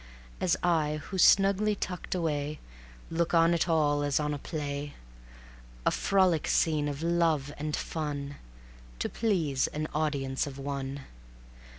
As I who, snugly tucked away, Look on it all as on a play, A frolic scene of love and fun, To please an audience of One.